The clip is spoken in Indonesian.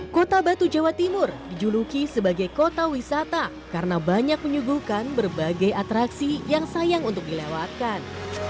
kota batu jawa timur dijuluki sebagai kota wisata karena banyak menyuguhkan berbagai atraksi yang sayang untuk dilewatkan